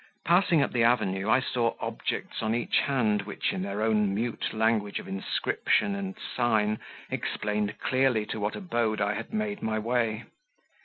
Passing up the avenue, I saw objects on each hand which, in their own mute language of inscription and sign, explained clearly to what abode I had made my way.